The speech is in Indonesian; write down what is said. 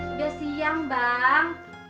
udah siang bang